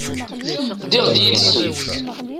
Ddiɣ-d yid-sen.